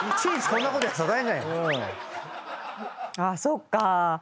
あそっか。